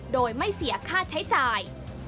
โดยไม่เสียค่าใช้จ่าย